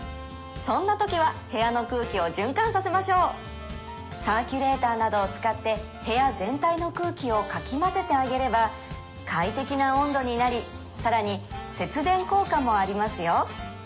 そんなときは部屋の空気を循環させましょうサーキュレーターなどを使って部屋全体の空気をかきまぜてあげれば快適な温度になり更に節電効果もありますよ